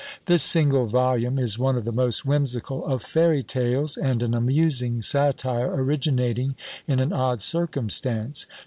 This single volume is one of the most whimsical of fairy tales, and an amusing satire originating in an odd circumstance.